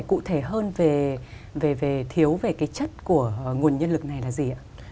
cụ thể hơn thiếu về chất của ngũ nhân lực này là gì